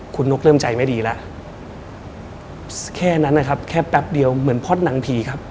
คุณนุ๊กเริ่มใจไม่ดีแล้วแค่นั้นนะครับแค่แป๊บเดียวเหมือนพ็อตหนังผีครับ